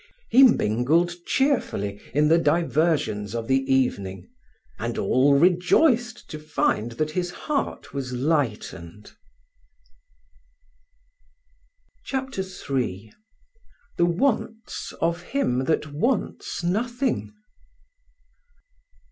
He mingled cheerfully in the diversions of the evening, and all rejoiced to find that his heart was lightened. CHAPTER III THE WANTS OF HIM THAT WANTS NOTHING.